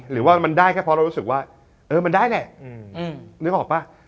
หรือว่ามันได้แค่เพราะเรารู้สึกว่าเออมันได้แหละนึกออกป่ะ